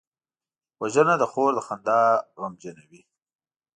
وژنه د خور د خندا غمجنوي